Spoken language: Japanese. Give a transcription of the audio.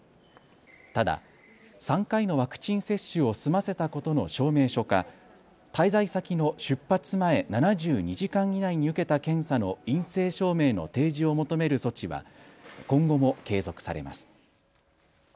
ただ３回のワクチン接種を済ませたことの証明書か滞在先の出発前７２時間以内に受けた検査の陰性証明の提示を求める措置は今後も継続されます。